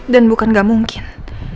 dan bukan enggak mungkin